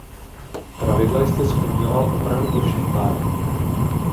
Pravidla jste skloňoval opravdu ve všech pádech.